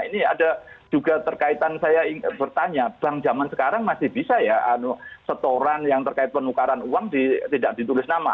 ini ada juga terkaitan saya bertanya bank zaman sekarang masih bisa ya setoran yang terkait penukaran uang tidak ditulis nama